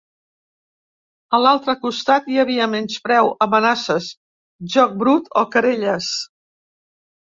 A l’altre costat hi havia menyspreu, amenaces, joc brut o querelles.